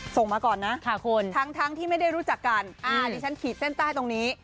ส่งมาก่อนนะทั้งที่ไม่ได้รู้จักกันดิฉันขีดเส้นใต้ตรงนี้